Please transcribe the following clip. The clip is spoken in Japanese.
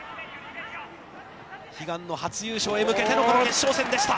悲願の初優勝に向けてのこの決勝戦でした。